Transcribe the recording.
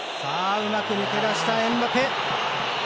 うまく抜け出したエムバペ！